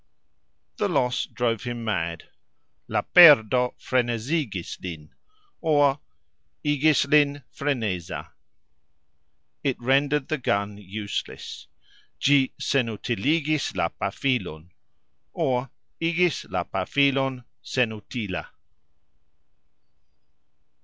The loss drove him mad. "La perdo frenezigis lin", or, "igis lin freneza". It rendered the gun useless. "Gxi senutiligis la pafilon", or, "igis la pafilon senutila".